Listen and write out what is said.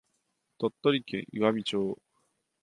鳥取県岩美町